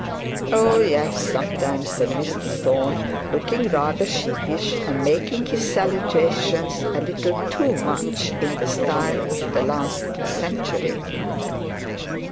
'Oh, yea, sometimes,' said Mr Thorne, looking rather sheepish, and making salutations a little too much in the style of the last century.